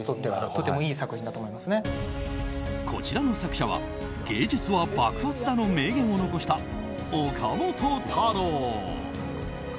こちらの作者は芸術は爆発だ！の名言を残した岡本太郎。